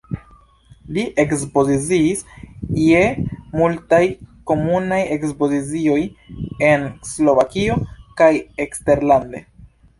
Li ekspoziciis je multaj komunaj ekspozicioj en Slovakio kaj eksterlande.